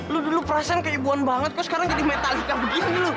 lo dulu perasaan keibuan banget kok sekarang jadi metallica begini lo